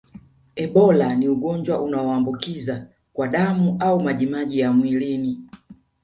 Ebola ni ugonjwa unaoambukiza kwa damu au majimaji ya mwilini